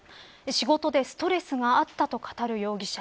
仕事のストレスがあったと語る容疑者。